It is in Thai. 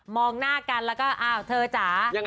มองหน้ากันแล้วก็เธอจ๋า